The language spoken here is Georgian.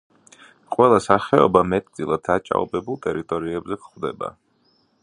ყველა სახეობა მეტწილად დაჭაობებულ ტერიტორიებზე გვხვდება.